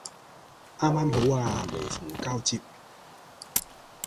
啱啱好啊無縫交接